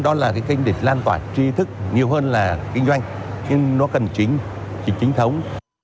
đó là cái kênh để lan tỏa tri thức nhiều hơn là kinh doanh nhưng nó cần chính thống